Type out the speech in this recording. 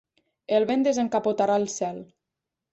El vent desencapotarà el cel.